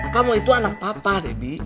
kamu itu anak papa debbie